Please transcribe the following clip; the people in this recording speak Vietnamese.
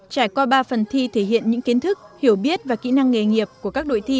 trải qua ba phần thi thể hiện những kiến thức hiểu biết và kỹ năng nghề nghiệp của các đội thi